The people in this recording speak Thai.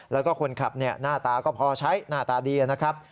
แล้วก็คนขับหน้าตาก็พอใช้หน้าตาดีนะครับ